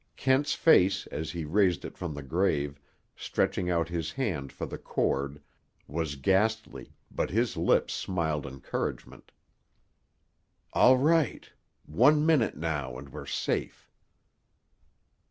Kent's face, as he raised it from the grave, stretching out his hand for the cord, was ghastly, but his lips smiled encouragement. "All right! One minute, now, and we're safe."